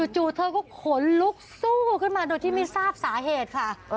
เธอก็ขนลุกสู้ขึ้นมาโดยที่ไม่ทราบสาเหตุค่ะ